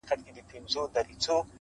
یو په یو مي د مرګي غېږ ته لېږلي!